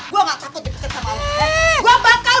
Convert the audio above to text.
gue gak takut dipecat sama lo